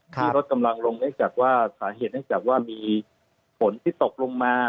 ที่ลดกำลังลงเนื่องจากสาเหตุว่ามีผลที่ตกลงมา